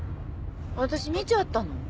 私見ちゃったの。